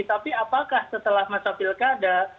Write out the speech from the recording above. tapi apakah setelah masa pilkada